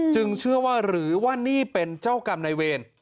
เชื่อว่าหรือว่านี่เป็นเจ้ากรรมนายเวร